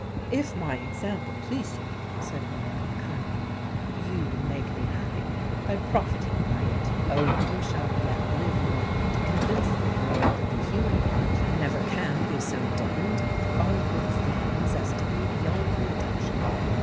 "If my example please you," said Markham, kindly, "you will make me happy by profiting by it. Oh! you shall yet live long to convince the world that the human heart never can be so deadened to all good feelings as to be beyond redemption!"